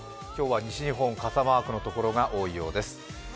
今日は西日本、傘マークのところが多いようです。